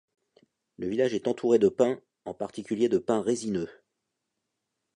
Le village est entouré de pins, en particulier de pins résineux.